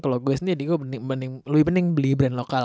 kalo gue sendiri lebih penting beli brand lokal